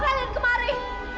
mau apa kalian kemari